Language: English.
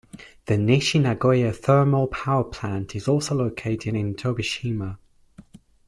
The Nishi-Nagoya Thermal Power Plant is also located in Tobishima.